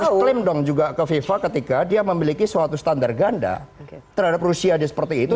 kita klaim dong juga ke fifa ketika dia memiliki suatu standar ganda terhadap rusia seperti itu